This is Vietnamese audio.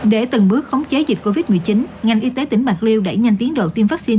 để từng bước khống chế dịch covid một mươi chín ngành y tế tỉnh bạc liêu đẩy nhanh tiến độ tiêm vaccine